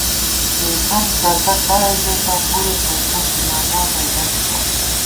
کېئیسَنت کردہ کائے ژېتہ، پُرے تھوئیسَن ځِنازا تئ لَزِتہ